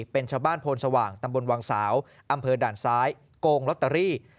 เป็นชาวบ้านโพนสว่างตำบลวังสาวอำเภอด่านซ้ายโกงลอตเตอรี่